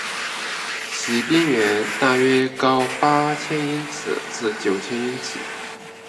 其边缘大约高八千英尺至九千英尺。